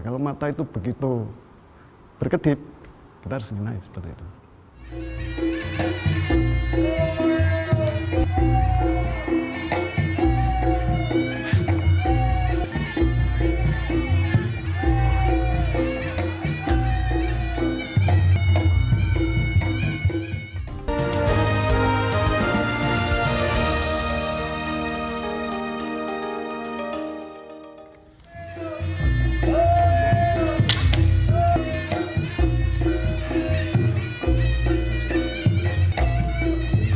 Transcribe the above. kalau mata itu begitu berkedip kita harus ngenahin seperti itu